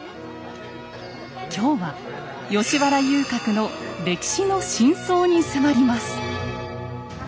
今日は吉原遊郭の歴史の真相に迫ります。